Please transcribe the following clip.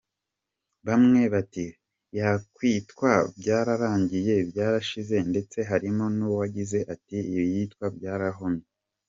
Bamwe bati yakwitwa:Byararangiye, Byarashize ndetse harimo n’uwagize ati:”uzayite Byararohamye!”.